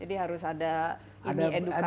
jadi harus ada ini edukasi